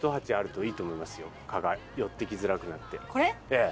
ええ。